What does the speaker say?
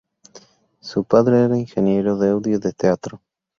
Su padre era ingeniero de audio de teatro.